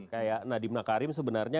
kayak nadima karim sebenarnya